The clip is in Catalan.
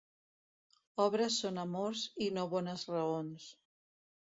Obres són amors i no bones raons.